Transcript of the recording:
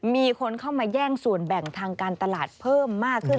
มีคนเข้ามาแย่งส่วนแบ่งทางการตลาดเพิ่มมากขึ้น